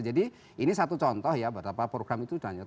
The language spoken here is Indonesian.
jadi ini satu contoh ya berapa program itu dilanjutkan